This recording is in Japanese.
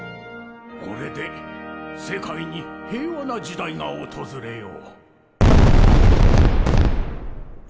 これで世界に平和な時代が訪れよう。